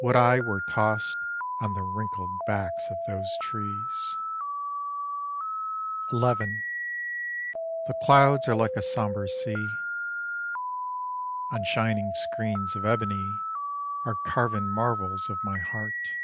Would I were tossed on the wrinkled backs of those trees XI The clouds are like a sombre sea: On shining screens of ebony Are carven marvels of my heart.